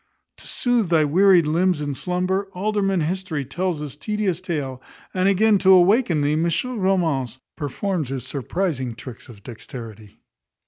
To soothe thy wearied limbs in slumber, Alderman History tells his tedious tale; and, again, to awaken thee, Monsieur Romance performs his surprizing tricks of dexterity.